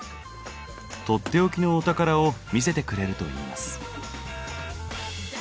取って置きのお宝を見せてくれるといいます。